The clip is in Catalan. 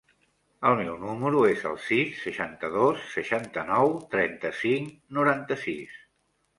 El meu número es el sis, seixanta-dos, seixanta-nou, trenta-cinc, noranta-sis.